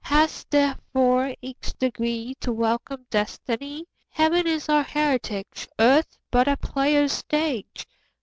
35 Haste therefore each degree To welcome destiny; Heaven is our heritage, Earth but a player's stage.